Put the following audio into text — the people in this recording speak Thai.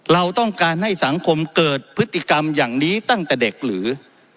เราต้องการให้สังคมเกิดพฤติกรรมอย่างนี้ตั้งแต่เด็กหรือ